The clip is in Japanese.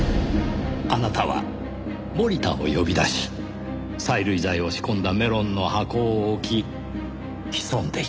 あなたは森田を呼び出し催涙剤を仕込んだメロンの箱を置き潜んでいた。